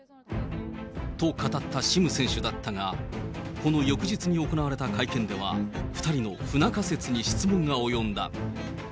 と語ったシム選手だったが、この翌日に行われた会見では、２人の不仲説に質問が及んだ。